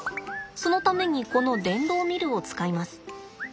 そのためにこの電動ミルを使います。